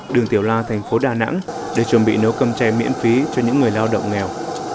đường tiểu la thành phố đà nẵng để chuẩn bị nấu cơm tre miễn phí cho những người lao động nghèo